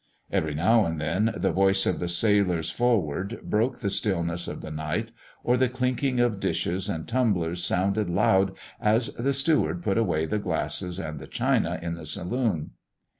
Every now and then the voice of the sailors forward broke the stillness of the night, or the clinking of dishes and tumblers sounded loud as the steward put away the glass and the china in the saloon.